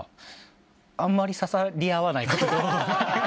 あんまり刺さり合わないことも。